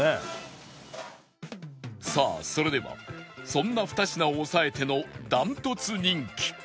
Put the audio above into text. さあそれではそんな２品を抑えての断トツ人気